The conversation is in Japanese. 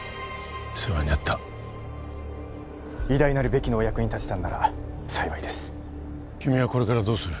世話になった偉大なるベキのお役に立てたのなら幸いです君はこれからどうする？